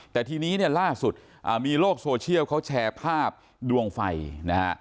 แต่ทีนี้เนี่ยล่าสุดมีโลกโซเชียลเขาแชร์ภาพดวงไฟนะฮะ